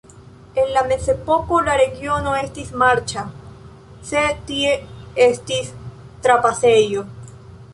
En la mezepoko la regiono estis marĉa, sed tie estis trapasejo.